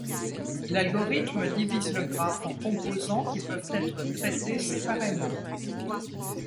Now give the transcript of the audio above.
L'algorithme divise le graphe en composants qui peuvent être traités séparément.